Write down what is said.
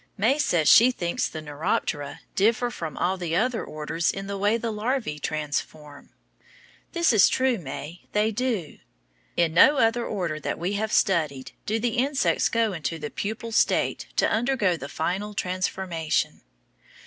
May says she thinks the Neuroptera differ from all the other orders in the way the larvæ transform. That is true, May, they do. In no other order that we have studied do the insects go into the pupal state to undergo the final transformation.